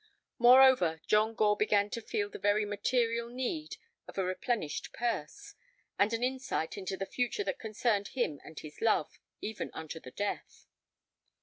Moreover, John Gore began to feel the very material need of a replenished purse, and an insight into the future that concerned him and his love, even unto the death.